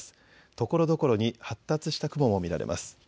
ところどころに発達した雲も見られます。